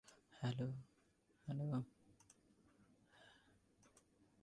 এতে তার নিরঙ্কুশ অধিকার স্বীকৃত।